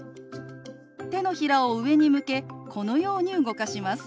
手のひらを上に向けこのように動かします。